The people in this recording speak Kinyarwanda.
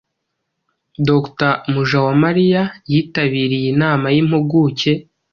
Dr Mujawamariya yitabiriye Inama y’Impuguke